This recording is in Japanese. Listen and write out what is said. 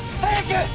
早く！